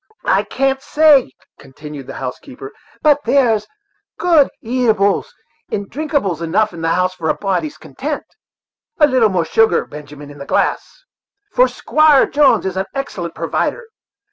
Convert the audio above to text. "I can't say," continued the housekeeper, "but there's good eatables and drinkables enough in the house for a body's content a little more sugar, Benjamin, in the glass for Squire Jones is an excellent provider.